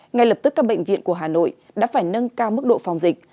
ngay lập tức các bệnh viện của hà nội đã phải nâng cao mức độ phòng dịch